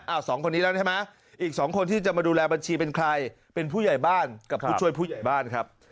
สองคนนี้แล้วใช่ไหมอีกสองคนที่จะมาดูแลบัญชีเป็นใครเป็นผู้ใหญ่บ้านกับผู้ช่วยผู้ใหญ่บ้านครับ